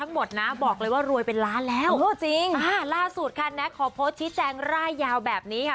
หมดนะบอกเลยว่ารวยเป็นล้านแล้วเออจริงอ่าล่าสุดค่ะแน็กขอโพสต์ชี้แจงร่ายยาวแบบนี้ค่ะ